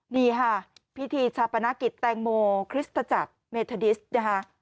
นี่ค่ะพิธีชาปนกิจแตงโมคริสตจักรเมธาดิสนะคะ